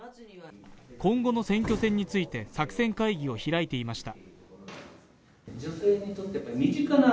今後の選挙戦について作戦会議を開いていました。